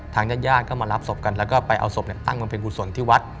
ทางญาติย่างก็มารับศพกันแล้วก็ไปเอาศพตั้งมาเป็นกุศวรที่วัด